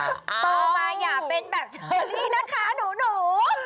โตมาอย่าเป็นแบบเชอรี่นะคะหนู